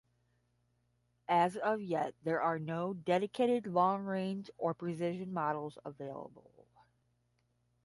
As of yet there are no dedicated long range or precision models available.